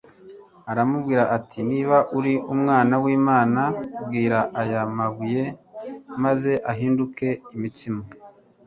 aramubwira ati: «Niba uri Umwana w'Imana bwira aya mabuye maze ahinduke imitsima.»